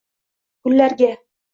gullarga